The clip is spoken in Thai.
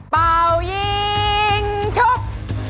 เปรายิงชุบ